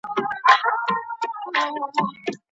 جرګه په پټه نه کېږي.